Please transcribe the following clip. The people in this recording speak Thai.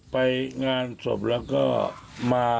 ไปงานศพแล้วก็มา